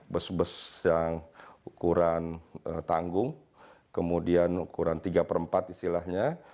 bus bus yang ukuran tanggung kemudian ukuran tiga per empat istilahnya